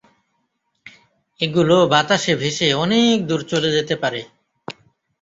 এগুলো বাতাসে ভেসে অনেক দূর চলে যেতে পারে।